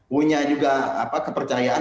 punya juga apa kepercayaan